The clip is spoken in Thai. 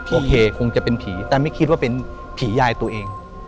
โอเคคงจะเป็นผีแต่ไม่คิดว่าเป็นผียายตัวเอง